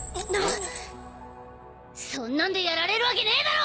そんなんでやられるわけねえだろ！